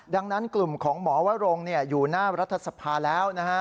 ดังนั้นกลุ่มของหมอวรงอยู่หน้ารัฐสภาแล้วนะฮะ